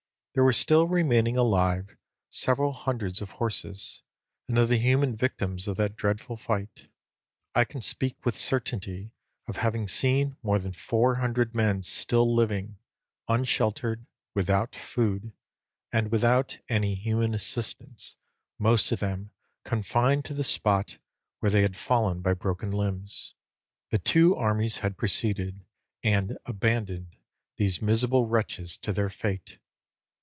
_ There were still remaining alive several hundreds of horses, and of the human victims of that dreadful fight. I can speak with certainty of having seen more than four hundred men still living, unsheltered, without food, and without any human assistance, most of them confined to the spot where they had fallen by broken limbs. The two armies had proceeded, and abandoned these miserable wretches to their fate.